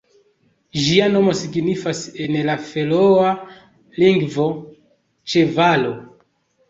Ĝia nomo signifas en la feroa lingvo "ĉevalo".